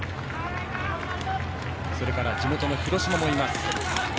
それから地元の広島もいます。